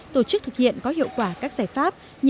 tổ chức thực hiện có hiệu quả các giai đoạn